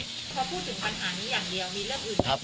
ถ้าพี่ที่เขาพูดถึงปัญหานี้อย่างเดียวมีเรื่องอื่นครับ